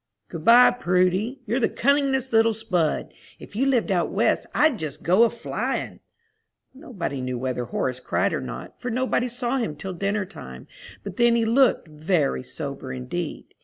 "Good by, Prudy. You're the cunningest little spud! If you lived out West I'd just go a flyin'." Nobody knew whether Horace cried or not, for nobody saw him till dinner time, but then he looked very sober indeed.